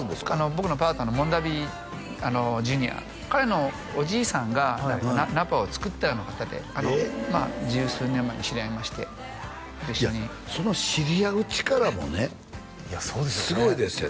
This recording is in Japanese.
僕のパートナーのモンダヴィＪｒ．彼のおじいさんがナパをつくったような方で十数年前に知り合いまして一緒にその知り合う力もねすごいですよ